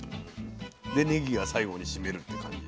でねぎが最後に締めるって感じ。